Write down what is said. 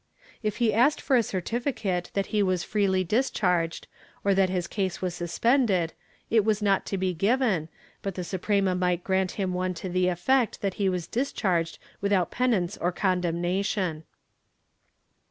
If he asked for a certificate that he was freely discharged, or that his case was suspended, it was not to be given, but the Suprema might grant him one to the effect that he was discharged without penance or condemnation.